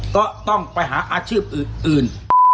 ก็ต้องไปหาอาชีพอื่น